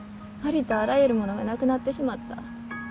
ありとあらゆるものがなくなってしまった。